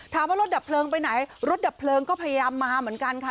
รถดับเพลิงไปไหนรถดับเพลิงก็พยายามมาเหมือนกันค่ะ